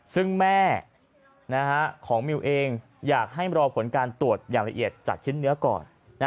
ซึ่งแม่ของมิวเองอยากให้รอผลการตรวจอย่างละเอียดจากชิ้นเนื้อก่อน